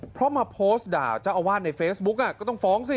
เพราะมาโพสต์ด่าเจ้าอาวาสในเฟซบุ๊กก็ต้องฟ้องสิ